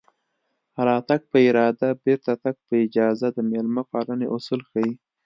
راتګ په اراده بېرته تګ په اجازه د مېلمه پالنې اصول ښيي